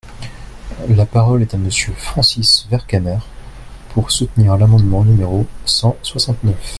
La parole est à Monsieur Francis Vercamer, pour soutenir l’amendement numéro cent soixante-neuf.